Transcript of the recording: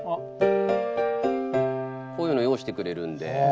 こういうのを用意してくれるんで。